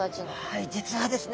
はい実はですね